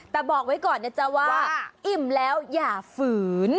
แต่บอกไว้ก่อนนะจ๊ะว่าอิ่มแล้วอย่าฝืน